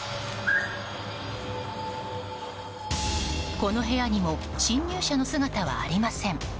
この部屋にも侵入者の姿はありません。